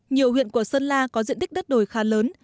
nhiều huyện của sơn la có diện tích đất đồi khá lớn